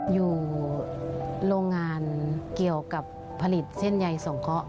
อยู่โรงงานเกี่ยวกับผลิตเส้นใยสงเคราะห